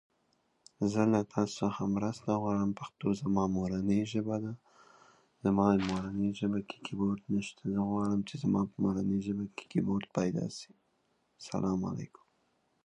زه د دې خمیرې په مرسته وچې ډوډۍ پخولو ته مخه کړه.